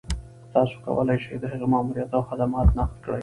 تاسو کولای شئ د هغې ماموريت او خدمات نقد کړئ.